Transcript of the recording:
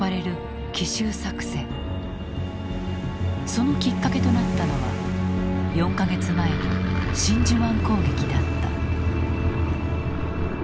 そのきっかけとなったのは４か月前の真珠湾攻撃だった。